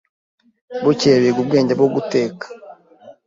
Bukeye biga ubwenge bwo guteka